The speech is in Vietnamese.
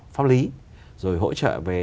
pháp lý rồi hỗ trợ về